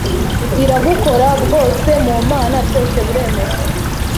irabukora bwose “Mu mana byose biremera”